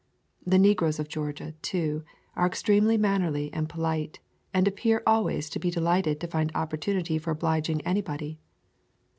The negroes of Georgia, too, are extremely mannerly and po lite, and appear always to be delighted to find opportunity for obliging anybody.